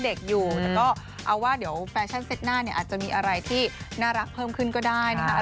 แต่ก็เอาว่าเดี๋ยวแฟชั่นเต็ตหน้าเนี่ยอาจจะมีอะไรที่น่ารักเพิ่มขึ้นก็ได้นะคะ